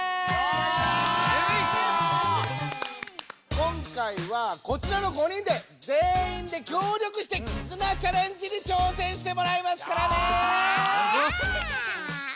今回はこちらの５人で全員で協力して絆チャレンジに挑戦してもらいますからね！